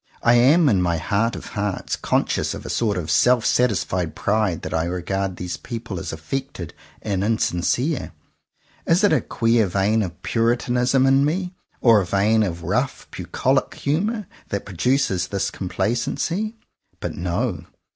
— 1 am, in my heart of hearts, conscious of a sort of self satisfied pride that I regard these people as affected and insincere. Is it a queer vein of Puritanism in me, or a vein of rough bucolic humour, that produces this complacency.? But, no!